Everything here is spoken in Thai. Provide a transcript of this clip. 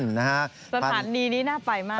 สถานีนี้น่าไปมาก